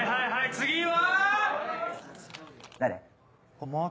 次は。